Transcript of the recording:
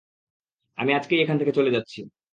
আমি আজকেই এখান থেকে চলে যাচ্ছি।